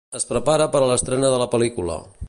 Es prepara per a l'estrena de la pel·lícula.